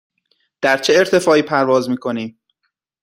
در چه ارتفاعی پرواز می کنیم؟